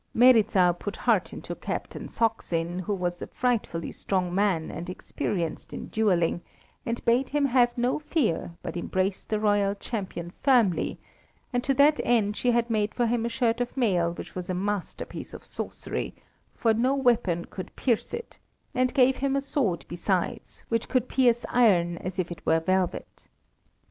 Meryza put heart into Captain Saksin, who was a frightfully strong man and experienced in duelling, and bade him have no fear, but embrace the royal champion firmly, and to that end she had made for him a shirt of mail which was a masterpiece of sorcery, for no weapon could pierce it, and gave him a sword besides, which could pierce iron as if it were velvet.